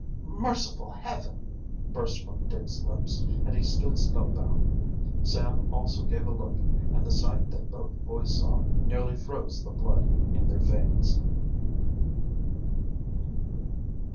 "Merciful heaven!" burst from Dick's lips, and he stood spellbound. Sam also gave a look, and the sight that both boys saw nearly froze the blood in their veins.